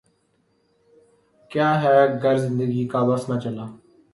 کیا ہے گر زندگی کا بس نہ چلا